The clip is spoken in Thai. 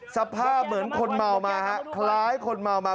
สภาพเหมือนคนเมามาฮะคล้ายคนเมามา